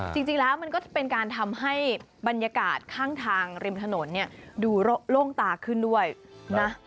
จริงแล้วมันก็เป็นการทำให้บรรยากาศข้างทางริมถนนเนี่ยดูโล่งตาขึ้นด้วยนะ